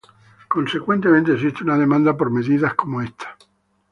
Consecuentemente existe una demanda por medidas como esta.